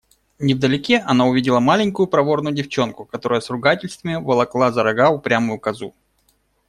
Невдалеке она увидела маленькую проворную девчонку, которая с ругательствами волокла за рога упрямую козу.